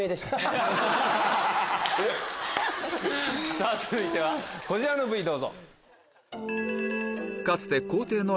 さぁ続いてはこちらのＶＴＲどうぞ。